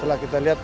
setelah kita lihat